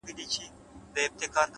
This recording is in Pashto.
اراده د وېرې تر ټولو قوي مخالفه ده؛